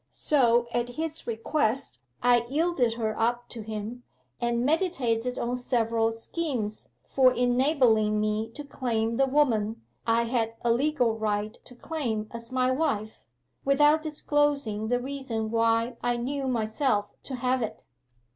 So at his request I yielded her up to him, and meditated on several schemes for enabling me to claim the woman I had a legal right to claim as my wife, without disclosing the reason why I knew myself to have it.